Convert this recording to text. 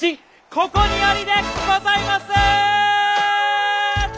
ここにありでございます！